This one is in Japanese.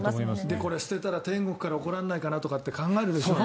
これ捨てたら天国から怒られないかなって考えるでしょ。